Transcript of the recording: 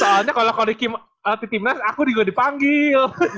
soalnya kalo shikoh riki latih timnas aku juga dipanggil